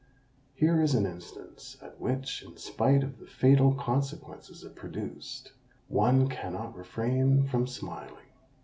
Here is an instance, at which, in spite of the fatal consequences it produced, one cannot refrain from smiling.